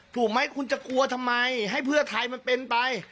ถูกไหมคุณจะกลัวทำไมให้เพื่อไทยมันเป็นไป